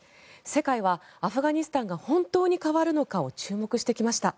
世界はアフガニスタンが本当に変わるのかを注目してきました。